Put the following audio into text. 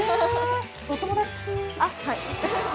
あっはい。